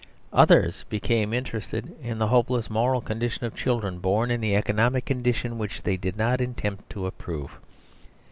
Others became interested in the hopeless moral condition of children born in the economic condition which they did not attempt to improve.